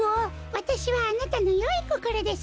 わたしはあなたのよいこころです。